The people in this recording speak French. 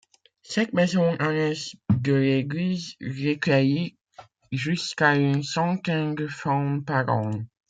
Cette maison annexe de l'église recueillit jusqu'à une centaine de femmes par an.